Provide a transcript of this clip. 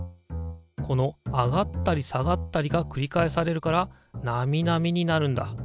この上がったり下がったりがくりかえされるからナミナミになるんだ。